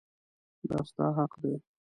دا ستا حق دی.